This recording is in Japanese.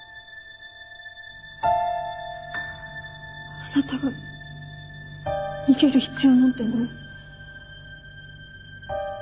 あなたが逃げる必要なんてない。